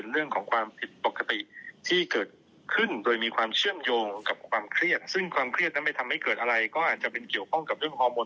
เรื่องของเส้นเลือดก็ยังไม่ได้แข็งแวงอะไรมาก